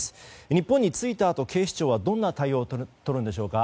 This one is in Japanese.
日本に着いたあと警視庁はどんな対応をとるんでしょうか。